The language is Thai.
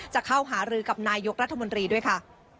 จะเข้าหารือกับนายกรัฐมนตรีด้วยค่ะ